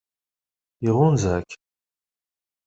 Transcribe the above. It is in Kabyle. Iɣunza-k?